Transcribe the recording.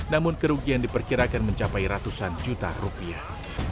namun kerugian diperkirakan mencapai ratusan juta rupiah